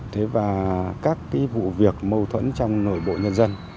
thế và các cái vụ việc mâu thuẫn trong nội bộ nhân dân